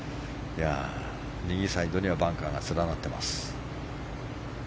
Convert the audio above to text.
右サイドにはバンカーが連なっています。